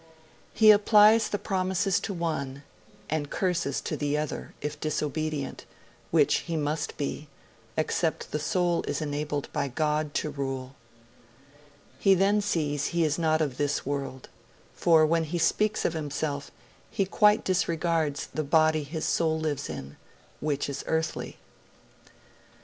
He applies the promises to one and the curses to the other, if disobedient, which he must be, except the soul is enabled by God to rule. He then sees he is not of this world; for when he speaks of himself he quite disregards the body his soul lives in, which is earthly.'